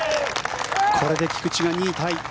これで菊池が２位タイ。